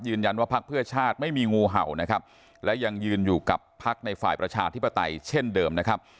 พักเพื่อชาติไม่มีงูเห่านะครับและยังยืนอยู่กับพักในฝ่ายประชาธิปไตยเช่นเดิมนะครับ